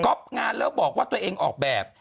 งานแล้วบอกว่าตัวเองออกแบบ